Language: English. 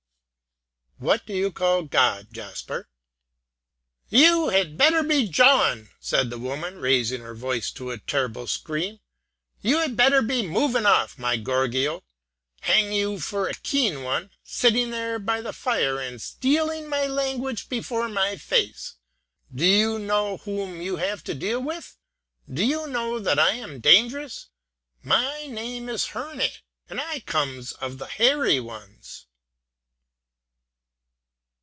"What do you call God, Jasper?" "You had better be jawing," said the woman, raising her voice to a terrible scream; "you had better be moving off, my gorgio; hang you for a keen one, sitting there by the fire, and stealing my language before my face. Do you know whom you have to deal with? Do you know that I am dangerous? My name is Herne, and I comes of the Hairy Ones!"